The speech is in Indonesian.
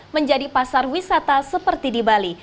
menjadi pasar wisata seperti di bali